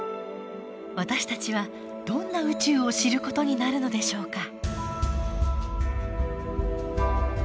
私たちはどんな宇宙を知る事になるのでしょうか。